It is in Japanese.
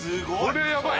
これやばい。